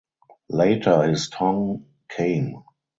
Later his tongue came.